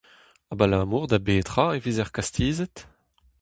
Abalamour da betra e vezer kastizet ?